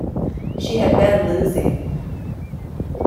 She had been losing.